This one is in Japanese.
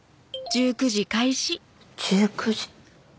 「１９時」。